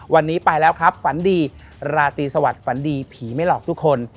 วันนี้ไปแล้วครับฝันดีราตรีสวัสดิฝันดีผีไม่หลอกทุกคน